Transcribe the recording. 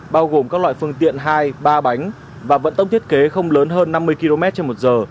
bao gồm các loại phương tiện hai ba bánh và vận tốc thiết kế không lớn hơn năm mươi km trên một giờ